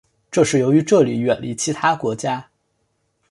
这是由于这里远离其他国家。